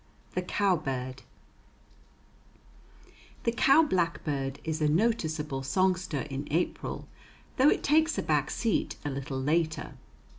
THE COWBIRD The cow blackbird is a noticeable songster in April, though it takes a back seat a little later.